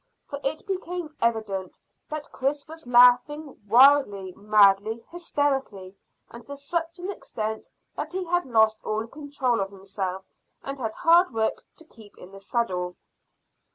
For it became evident that Chris was laughing wildly madly hysterically, and to such an extent that he had lost all control of himself, and had hard work to keep in the saddle.